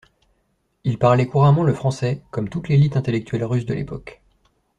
Ils parlaient couramment le français, comme toute l'élite intellectuelle russe de l'époque.